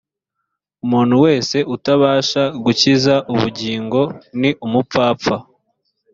umuntu wese utabasha gukiza ubugingo, ni umupfapfa